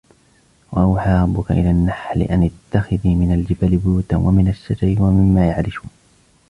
وَأَوْحَى رَبُّكَ إِلَى النَّحْلِ أَنِ اتَّخِذِي مِنَ الْجِبَالِ بُيُوتًا وَمِنَ الشَّجَرِ وَمِمَّا يَعْرِشُونَ